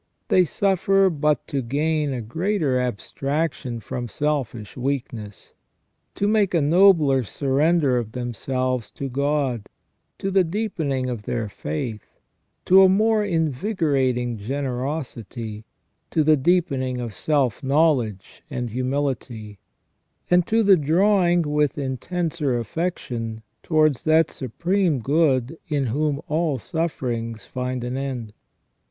They suffer but to gain a greater abstraction from selfish weakness ; to make a nobler surrender of themselves to God ; to the deepening of their faith ; to a more invigorating generosity ; to the deepening of self knowledge and humility; and to the drawing with intenser affection towards • Rosmini, Discorso delV Amore Divino. ON PENAL EVIL OR PUNISHMENT. 249 that Supreme Good in whom all sufferings find an end.